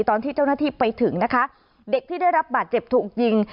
ตอนที่เจ้าหน้าที่ไปถึงนะคะเด็กที่ได้รับบาดเจ็บถูกยิง